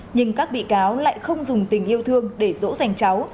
nhưng các bị cáo lại không dùng tình yêu thương để rỗ rành cháu